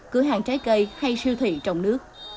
cửa hàng trái cây hay siêu thị trong nước